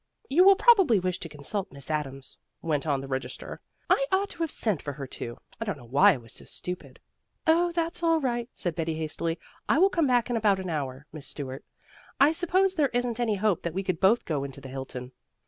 "You will probably wish to consult Miss Adams," went on the registrar. "I ought to have sent for her too I don't know why I was so stupid." "Oh, that's all right," said Betty hastily. "I will come back in about an hour, Miss Stuart. I suppose there isn't any hope that we could both go into the Hilton."